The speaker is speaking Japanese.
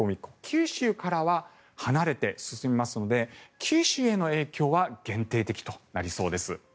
九州からは離れて進みますので九州への影響は限定的となりそうです。